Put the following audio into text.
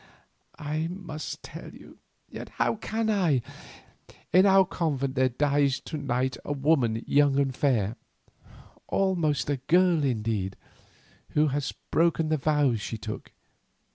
I must tell you—yet how can I? In our convent there dies to night a woman young and fair, almost a girl indeed, who has broken the vows she took.